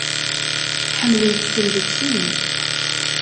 Tḥemmlemt-ten deg sin.